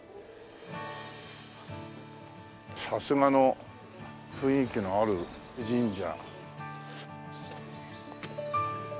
さすがの雰囲気のある神社。